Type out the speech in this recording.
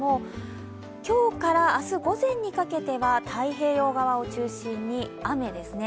今日から明日午前にかけては太平洋側を中心に雨ですね。